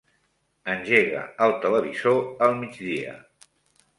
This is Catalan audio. Engega el televisor al migdia.